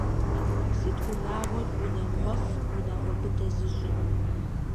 Сыт унагъуэр унагъуэфӏ, унагъуэ быдэ зыщӏыр?